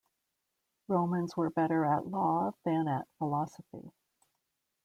Romans were better at law than at philosophy.